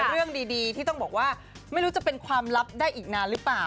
เรื่องดีที่ต้องบอกว่าไม่รู้จะเป็นความลับได้อีกนานหรือเปล่า